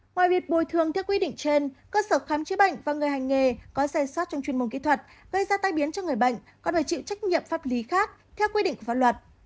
ngoài việc bồi thường theo quy định trên cơ sở khám chứa bệnh và người hành nghề có dài soát trong chuyên môn kỹ thuật gây ra tai biến cho người bệnh còn phải chịu trách nhiệm pháp lý khác theo quy định của pháp luật